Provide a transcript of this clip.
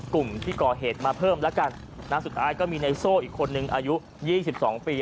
กลุ่มที่ก่อเหตุมาเพิ่มแล้วกันนะสุดท้ายก็มีในโซ่อีกคนนึงอายุ๒๒ปี